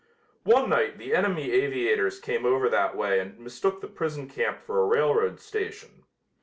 One night the enemy aviators came over that way and mistook the prison camp for a railroad station.